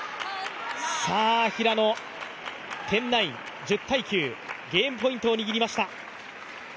平野、１０−９、ゲームポイントを握りました。